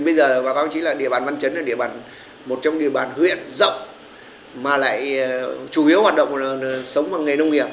bây giờ là địa bàn văn chấn là một trong địa bàn huyện rộng mà lại chủ yếu hoạt động là sống vào nghề nông nghiệp